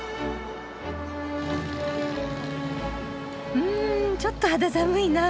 うんちょっと肌寒いなぁ。